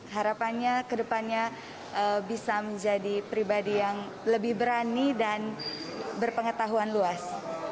harapannya ke depannya bisa menjadi pribadi yang lebih berani dan berpengetahuan luas